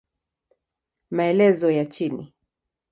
Maelezo ya chini